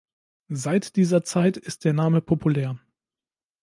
Seit dieser Zeit ist der Name populär.